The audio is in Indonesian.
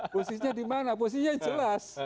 posisinya di mana posisinya jelas